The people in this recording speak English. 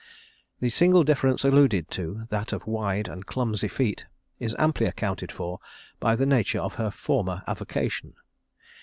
The single difference alluded to, that of wide and clumsy feet, is amply accounted for by the nature of her former avocation.